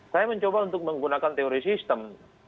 saya mencoba untuk menggunakan teori sistem